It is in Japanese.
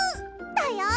だよ！